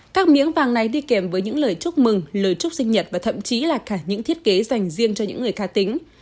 các miếng vàng này đi kèm với những lời chúc mừng lời chúc sinh nhật và thậm chí là cả những thiết kế dành riêng cho những người ca tính